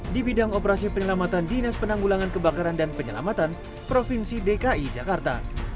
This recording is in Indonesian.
di bidang operasi penyelamatan dinas penanggulangan kebakaran dan penyelamatan provinsi dki jakarta